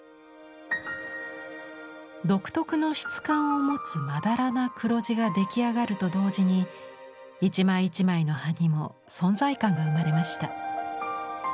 独特の質感を持つまだらな黒地が出来上がると同時に一枚一枚の葉にも存在感が生まれました。